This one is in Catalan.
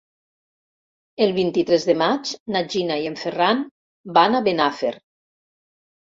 El vint-i-tres de maig na Gina i en Ferran van a Benafer.